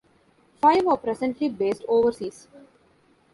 Five are presently based overseas.